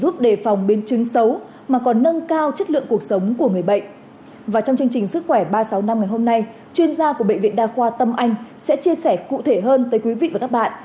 trong sáu năm ngày hôm nay chuyên gia của bệnh viện đa khoa tâm anh sẽ chia sẻ cụ thể hơn tới quý vị và các bạn